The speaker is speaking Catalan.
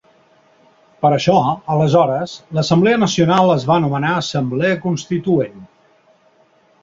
Per això aleshores l'Assemblea Nacional es va anomenar Assemblea Constituent.